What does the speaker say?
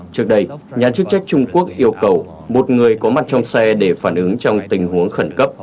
trước đây nhà chức trách trung quốc yêu cầu một người có mặt trong xe để phản ứng trong tình huống khẩn cấp